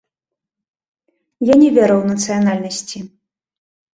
Я не веру ў нацыянальнасці.